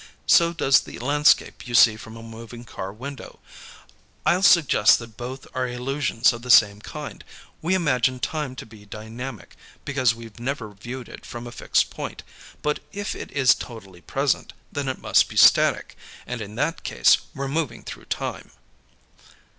So does the landscape you see from a moving car window. I'll suggest that both are illusions of the same kind. We imagine time to be dynamic, because we've never viewed it from a fixed point, but if it is totally present, then it must be static, and in that case, we're moving through time."